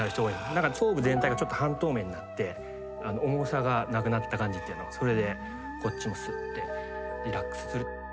だから頭部全体が半透明になって重さがなくなった感じっていうのそれでこっちもスッてリラックスする。